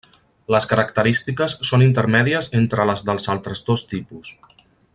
Les característiques són intermèdies entre les dels altres dos tipus.